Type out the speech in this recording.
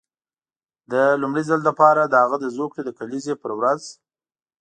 د لومړي ځل لپاره د هغه د زوکړې د کلیزې پر ورځ.